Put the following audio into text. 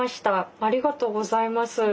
ありがとうございます何か。